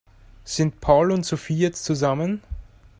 Sind Paul und Sophie jetzt zusammen?